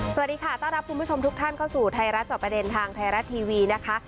สวัสดีค่ะต้อนรับคุณผู้ชมทุกท่านเข้าสู่ไทยรัฐจอบประเด็นทางไทยรัฐทีวีนะคะ